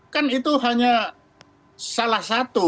kan itu hanya salah satu